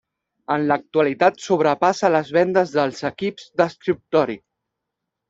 En l'actualitat sobrepassa les vendes dels equips d'escriptori.